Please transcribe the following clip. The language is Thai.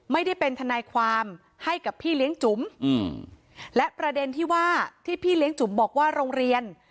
ไม่ได้เป็นทนายความให้กับพี่เลี้ยงจุ๋มและประเด็นที่ว่าที่พี่เลี้ยงจุ๋มบอกว่าโรงเรียน